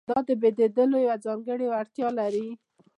دا د بدلېدو یوه ځانګړې وړتیا لري.